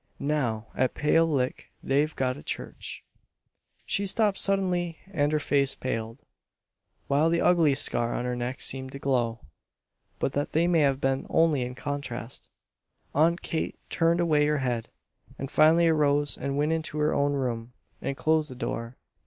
Now, at Pale Lick they've got a church " She stopped suddenly, and her face paled, while the ugly scar on her neck seemed to glow; but that may have been only in contrast. Aunt Kate turned away her head, and finally arose and went into her own room and closed the door.